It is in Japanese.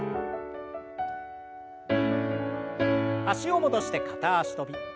脚を戻して片脚跳び。